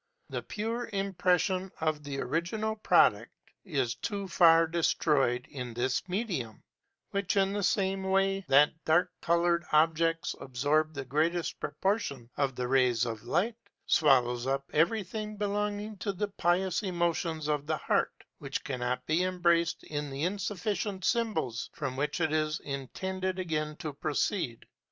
The pure impression of the original product is too far destroyed in this medium, which, in the same way that dark colored objects absorb the greatest proportion of the rays of light, swallows up everything belonging to the pious emotions of the heart, which cannot be embraced in the insufficient symbols from which it is intended again to proceed.